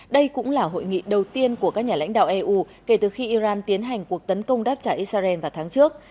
đây cũng là hội nghị đầu tiên của các nhà lãnh đạo eu kể từ khi iran tiến hành cuộc tấn công đáp trả israel vào tháng trước